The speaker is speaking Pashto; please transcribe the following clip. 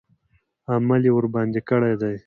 عمل یې ورباندې کړی دی.